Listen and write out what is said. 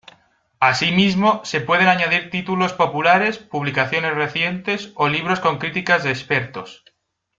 Asimismo, se pueden añadir títulos populares, publicaciones recientes o libros con críticas de expertos.